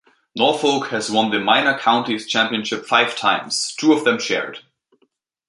Norfolk has won the Minor Counties Championship five times, two of them shared.